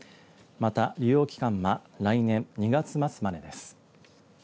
また、利用期間は来年２月末までです。